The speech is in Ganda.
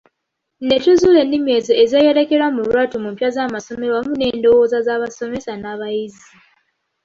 Ne tuzuula ennimi ezo ezeeyolekera mu lwatu mu mpya z'amasomero wamu n'endowooza z'abasomesa n'abayizi.